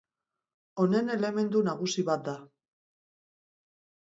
Honen elementu nagusia bat da.